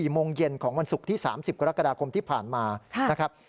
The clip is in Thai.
โมงเย็นของวันศุกร์ที่๓๐กรกฎาคมที่ผ่านมานะครับ